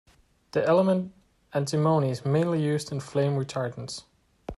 The element antimony is mainly used in flame retardants.